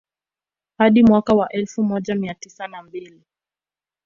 Hadi mwaka wa elfu moja mia tisa na mbili